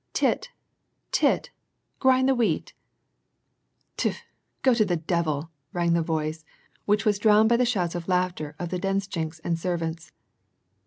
" Tit, Tit, grind the wheat."* " Tfu ! go to the devil," rang the voice, which ^^^ drowned by the shouts of laughter of the denshchiks and servants.